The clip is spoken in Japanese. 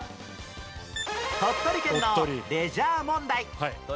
鳥取県のレジャー問題